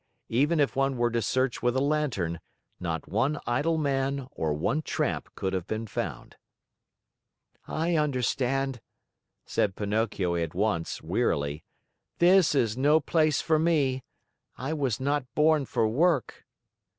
Even if one were to search with a lantern, not one idle man or one tramp could have been found. "I understand," said Pinocchio at once wearily, "this is no place for me! I was not born for work."